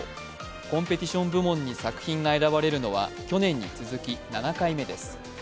コンペティション部門に作品が選ばれるのは去年に続き７回目です。